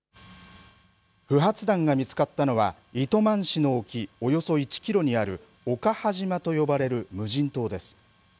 不発弾が見つかったのは糸満市の沖およそ１キロにある岡波島と呼ばれる無人島です。